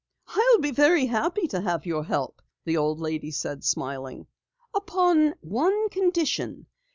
"I'll be very happy to have your help," the old lady said, smiling. "Upon one condition.